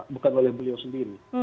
bukan oleh beliau sendiri